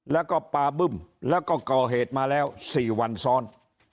แล้วก็ปาบึ้มแล้วก็ก่อเหตุมาแล้ว๔วันซ้อน